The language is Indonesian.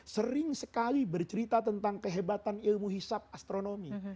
sering sekali bercerita tentang kehebatan ilmu hisap astronomi